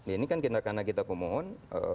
ini kan karena kita pemohon